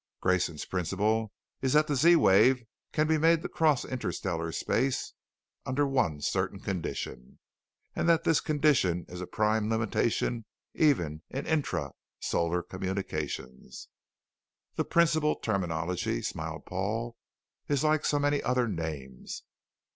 Grayson's Principle is that the Z wave can be made to cross interstellar space under one certain condition, and that this condition is a prime limitation even in intra solar communications. The 'principle' terminology," smiled Paul, "is like so many other names.